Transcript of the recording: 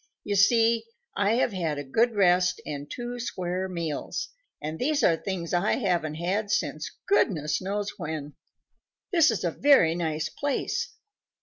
You see, I have had a good rest and two square meals, and these are things I haven't had since goodness knows when. This is a very nice place.